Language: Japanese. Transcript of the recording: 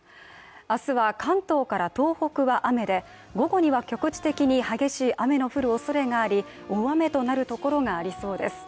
明日は関東から東北は雨で午後には局地的に激しい雨の降るおそれがあり大雨となるところがありそうです。